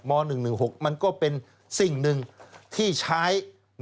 ๑๑๖มันก็เป็นสิ่งหนึ่งที่ใช้